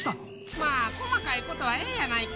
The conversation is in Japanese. まあ細かいことはええやないか。